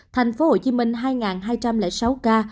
thành phố hồ chí minh hai ba trăm sáu mươi bảy ca